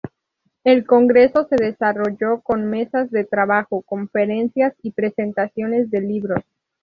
El Congreso se desarrolló con Mesas de trabajo, Conferencias y Presentaciones de libros.